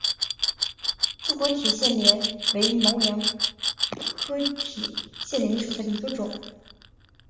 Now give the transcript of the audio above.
柱果铁线莲为毛茛科铁线莲属下的一个种。